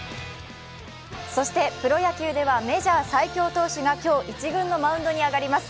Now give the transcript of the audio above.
プロ野球ではメジャー最強投手が今日、一軍のマウンドに上がります